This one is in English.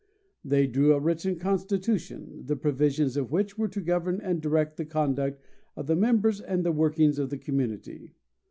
They drew a written constitution, the provisions of which were to govern and direct the conduct of the members and the workings of the community.